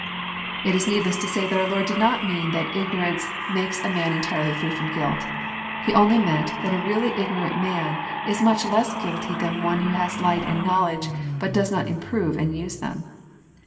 It is needless to say that onr Lord did not mean that igno rance makes a man entirely free fk*om guilt. He only meant that a really ignorant man Is much less guilty than one who has light and knowledge, but does not improve and use them.